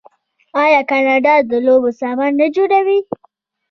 آیا کاناډا د لوبو سامان نه جوړوي؟